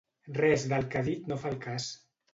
Res del que ha dit no fa al cas.